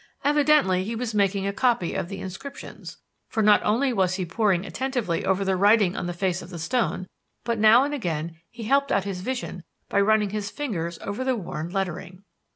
Evidently he was making a copy of the inscriptions, for not only was he poring attentively over the writing on the face of the stone, but now and again he helped out his vision by running his fingers over the worn lettering.